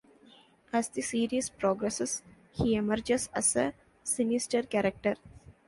As the series progresses he emerges as a sinister character.